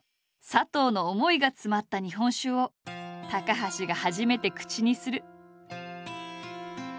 佐藤の思いが詰まった日本酒を高橋が初めて口にする。